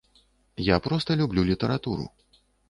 Я проста люблю літаратуру.